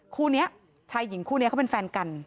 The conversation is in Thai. คู่นี้ชายหญิงคู่นี้เขาเป็นแฟนกัน